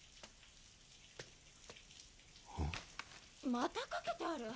また掛けてある！